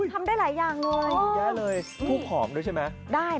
ทำได้หลายอย่างเลยง่ายเลยธูปหอมด้วยใช่ไหม